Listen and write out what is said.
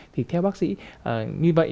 thì theo bác sĩ như vậy